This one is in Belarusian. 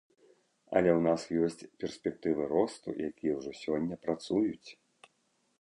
Але ў нас ёсць перспектывы росту, якія ўжо сёння працуюць.